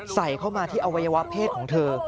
ใส่เข้ามาที่อวัยวะเพศของเธอ